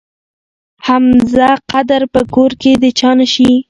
حمزه قدر په خپل کور کې د چا نه شي.